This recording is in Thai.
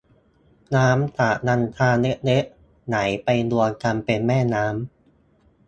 น้ำจากลำธารเล็กเล็กไหลไปรวมกันเป็นแม่น้ำ